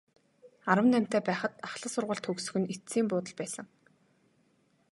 Арван наймтай байхад ахлах сургууль төгсөх нь эцсийн буудал байсан.